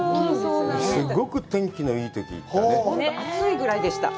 すごく天気のいいときに行ったね。